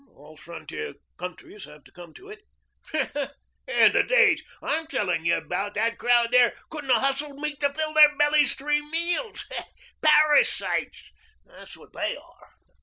"All frontier countries have to come to it." "Hmp! In the days I'm telling you about that crowd there couldn't 'a' hustled meat to fill their bellies three meals. Parasites, that's what they are.